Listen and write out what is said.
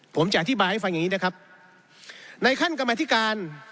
ผมจะอธิบายให้ฟังอย่างนี้นะครับในขั้นกรรมธิการ